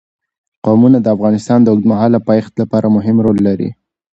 قومونه د افغانستان د اوږدمهاله پایښت لپاره مهم رول لري.